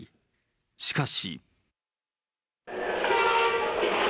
しかし。